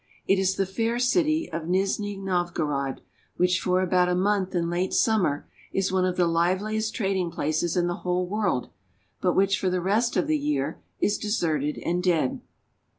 It is the Fair City of Nizhni Novgorod, which for about a month in late summer is one of the liveliest trading places in the whole world, but which for the rest of the year is deserted and dead. Nizhni Novgorod.